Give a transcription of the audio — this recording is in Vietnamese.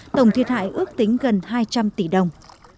tổng thiệt hại ước tính gần hai trăm linh tỷ đồng